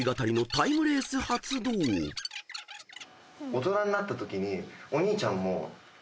大人になったときにお兄ちゃんもＨｅｙ！